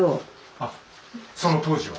あっその当時は？